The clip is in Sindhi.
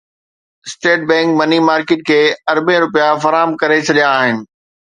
اسٽيٽ بئنڪ مني مارڪيٽ کي اربين رپيا فراهم ڪري ڇڏيا آهن